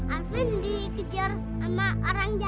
alvin dikejar sama orang jahat